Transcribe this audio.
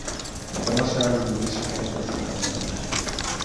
Matamasha hayo hujumuisha ngoma za asili na matambiko